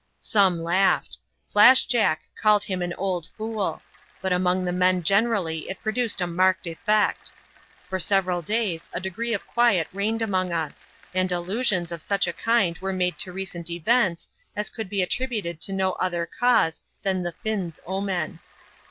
Some laughed ; Flash Jack called him an old fool ; but among the men generally it produced a marked effect. For several days a degree of quiet reigned among us, and allusions of such a kind were made to recent events, as could be attributed to no other cause than the Finn's omen.